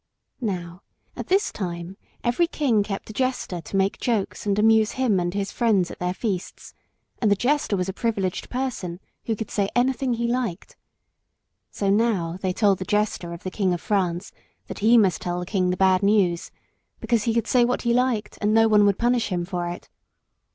Now, at this time every king kept a jester to make jokes and amuse him and his friends at their feasts, and the jester was a privileged person, who could say anything he liked. So now they told the jester of the King of France that he must tell the king the bad news, because he could say what he liked and no one would punish him for it.